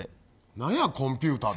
何や、コンピューターって。